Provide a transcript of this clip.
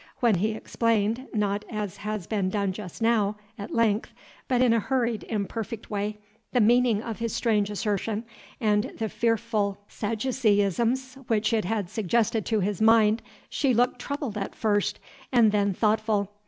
When he explained, not as has been done just now, at length, but in a hurried, imperfect way, the meaning of his strange assertion, and the fearful Sadduceeisms which it had suggested to his mind, she looked troubled at first, and then thoughtful.